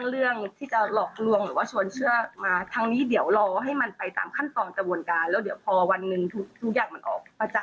ซึ่งตรงนี้เมริกก็มีการให้การกับเจ้าหน้าที่จังหวัดแล้วค่ะ